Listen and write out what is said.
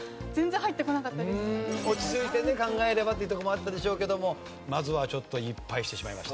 落ち着いてね考えればっていうとこもあったでしょうけどもまずはちょっと１敗してしまいました。